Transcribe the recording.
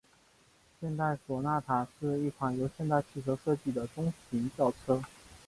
现代索纳塔是一款由现代汽车设计的中级轿车。